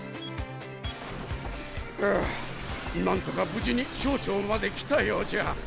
ふうなんとか無事に小腸まで来たようじゃ。